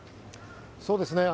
そうですね。